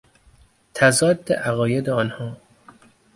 تضاد عقاید آنها